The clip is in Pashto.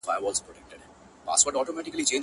د مالدارو په کورونو په قصرو کي!